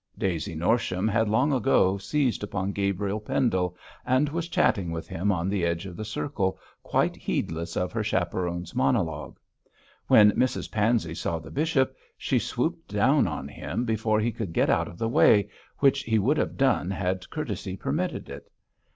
Daisy Norsham had long ago seized upon Gabriel Pendle, and was chatting with him on the edge of the circle, quite heedless of her chaperon's monologue. When Mrs Pansey saw the bishop she swooped down on him before he could get out of the way, which he would have done had courtesy permitted it.